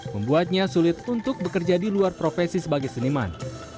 membuatnya sulit untuk bekerja di luar profesi sebagai seniman